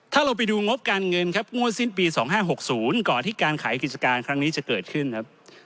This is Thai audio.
ถ้าเราไปดูงบการเงินครับงวดสิ้นปี๒๕๖๐ก่อนที่การขายกิจการครั้งนี้จะเกิดขึ้นครับ